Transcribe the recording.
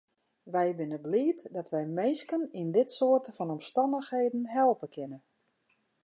Wy binne bliid dat wy minsken yn dit soarte fan omstannichheden helpe kinne.